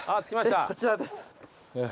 こちらです。